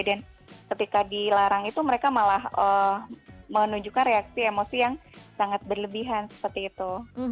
dan ketika dilarang itu mereka malah menunjukkan reaksi emosi yang sangat berlebihan seperti itu